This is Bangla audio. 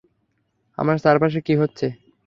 আমার চারপাশে কী হচ্ছে?